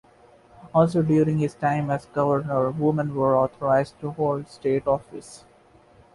Also during his time as governor, women were authorized to hold state office.